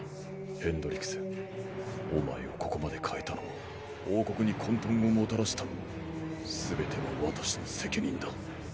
ヘンドリクセンお前をここまで変えたのも王国に混沌をもたらしたのも全ては私の責任だ。